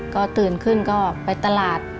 ก็ตื่นขึ้นก็ไปตลาด